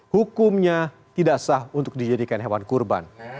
hukumnya tidak sah untuk dijadikan hewan kurban